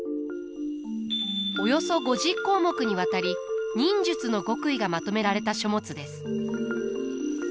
およそ５０項目にわたり忍術の極意がまとめられた書物です。